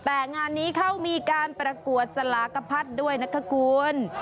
แต่งานนี้เขามีการประกวดสลากพัดด้วยนะคะคุณ